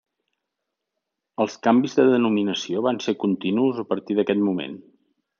Els canvis de denominació van ser continus a partir d'aquest moment.